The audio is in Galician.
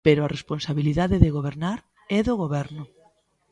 Pero a responsabilidade de gobernar é do Goberno.